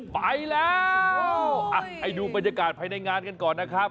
ไปแล้วให้ดูบรรยากาศภายในงานกันก่อนนะครับ